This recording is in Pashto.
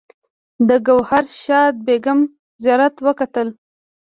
د ګوهر شاد بیګم زیارت وکتل.